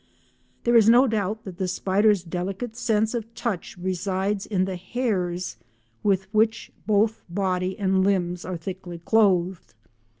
There is no doubt that the spider's delicate sense of touch resides in the hairs with which both body and limbs are thickly clothed.